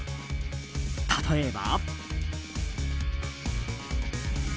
例えば。